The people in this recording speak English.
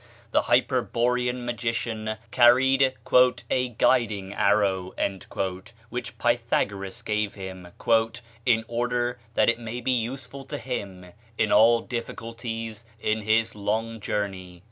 The hyperborean magician, Abaras, carried "a guiding arrow," which Pythagoras gave him, "in order that it may be useful to him in all difficulties in his long journey."